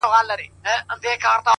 o لوټه ايږدي پښه پر ايږدي٫